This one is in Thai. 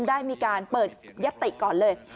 ได้มีการเปิดยติก่อนเลย